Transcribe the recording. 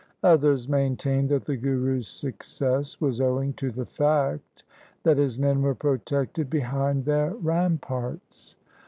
Others maintained that the Guru's success was owing to the fact that his men were protected behind their ramparts.